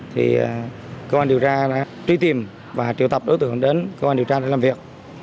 thì công an điều tra đã truy tìm và triệu tập đối tượng đến công an điều tra để làm việc